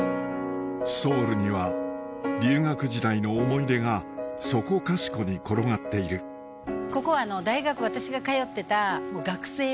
ソウルには留学時代の思い出がそこかしこに転がっている懐かしい！